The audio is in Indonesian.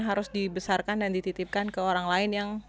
harus dibesarkan dan dititipkan ke orang lain yang